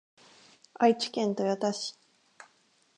愛知県豊田市